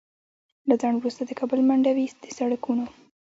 له ځنډ وروسته د کابل منډوي د سړکونو